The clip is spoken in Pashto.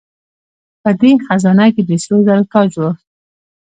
په دې خزانه کې د سرو زرو تاج و